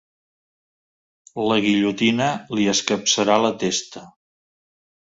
La guillotina li escapçarà la testa.